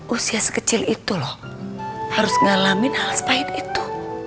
usia sekecil itu loh harus ngalamin hal sepahit itu